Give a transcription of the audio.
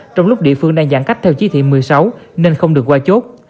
trong lúc địa phương đang giãn cách theo chí thị một mươi sáu nên không được qua chốt